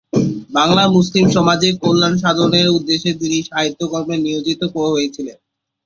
বাংলার মুসলিম সমাজের কল্যাণ সাধনের উদ্দেশ্যে তিনি সাহিত্যকর্মে নিয়োজিত হয়েছিলেন।